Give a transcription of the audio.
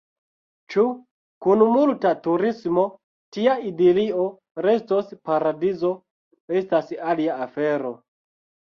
Ĉu kun multa turismo tia idilio restos paradizo, estas alia afero.